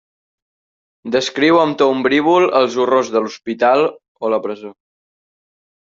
Descriu amb to ombrívol els horrors de l'hospital o la presó.